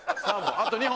あと２本。